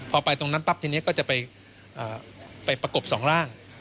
พอไปตรงนั้นปั๊บทีนี้ก็จะไปประกบสองร่าง